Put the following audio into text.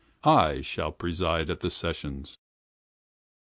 I shall preside at the sessions.